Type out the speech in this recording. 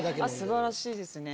素晴らしいですね。